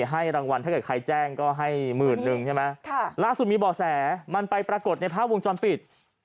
ให้รางวัลถ้าเกิดใครแจ้งก็ให้หมื่นนึงใช่ไหมล่าสุดมีบ่อแสมันไปปรากฏในภาพวงจรปิด